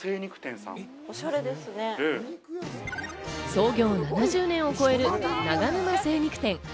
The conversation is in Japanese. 創業７０年を超える長沼精肉店。